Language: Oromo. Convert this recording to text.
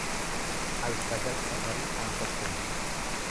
Al sagal safarii al tokko muri.